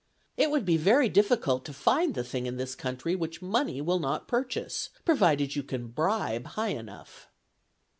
It would be very difficult to find the thing in this country which money will not purchase, provided you can bribe high enough.